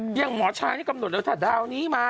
อย่างหมอช้างเนี่ยกำหนดแล้วว่าถ้าดาวนี้มา